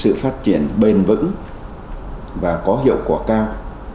sự phát triển bền vững và có hiệu quả cao